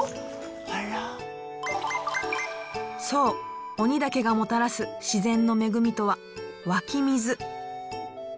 そう鬼岳がもたらす自然の恵みとは湧き水。